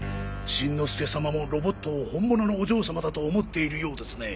しんのすけ様もロボットを本物のお嬢様だとおもっているようですね。